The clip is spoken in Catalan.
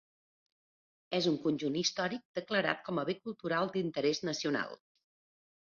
És un conjunt històric declarat com a bé cultural d'interès nacional.